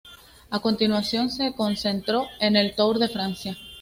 A continuación, se concentró en el Tour de Francia.